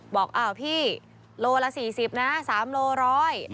บอกพี่โลละ๔๐นะ๓โลละ๑๐๐บาท